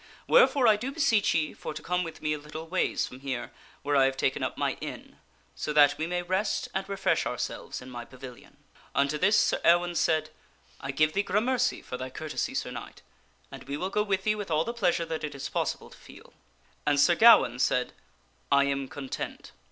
Wherefore I do beseech ye for to come with me a little ways from here where I have taken up my inn, so that we may rest and refresh ourselves in my pavilion." Unto this Sir Ewaine said, " I give thee gramercy for thy courtesy, Sir Knight; and we will go with thee with all the pleasure that it is possible to feel." And Sir Gawaine said, " I am content."